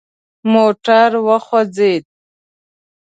موټر وخوځید.